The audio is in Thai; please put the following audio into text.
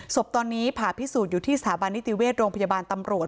ศพตอนนี้ผ่าพิสูจน์อยู่ที่สถาบันนิติเวชโรงพยาบาลตำรวจ